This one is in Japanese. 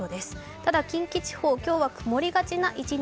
ただ、近畿地方、今日は曇りがちな一日。